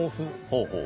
ほうほう。